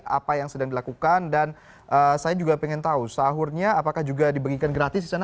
apa yang sedang dilakukan dan saya juga ingin tahu sahurnya apakah juga dibagikan gratis di sana